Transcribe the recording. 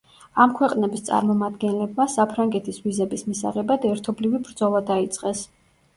ამ ქვეყნების წარმომადგენლებმა, საფრანგეთის ვიზების მისაღებად ერთობლივი ბრძოლა დაიწყეს.